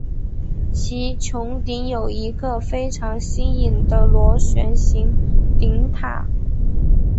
其穹顶有一个非常新颖的螺旋形顶塔。